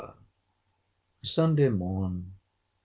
SUNDAY MORN.